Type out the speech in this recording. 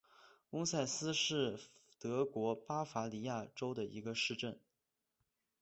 翁塞斯是德国巴伐利亚州的一个市镇。